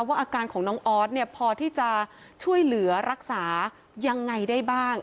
อาการของน้องออสเนี่ยพอที่จะช่วยเหลือรักษายังไงได้บ้าง